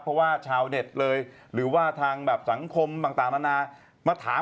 เพราะว่าชาวเน็ตเลยหรือว่าทางแบบสังคมต่างนานามาถาม